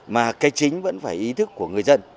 mà cái chính vẫn phải ý thức của người dân